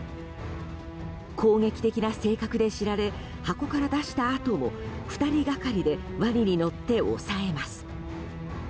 攻撃的な性格で知られ箱から出したあとも２人がかりでワニに乗って押さえます。